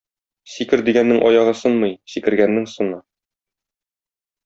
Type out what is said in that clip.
"сикер" дигәннең аягы сынмый, сикергәннең сына.